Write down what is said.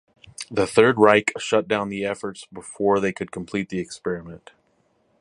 The Third Reich shut down the efforts before they could complete the experiment.